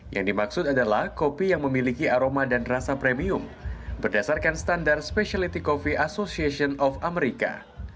yang dimaksud adalah kopi yang memiliki aroma dan rasa premium berdasarkan standar specialty coffee association of america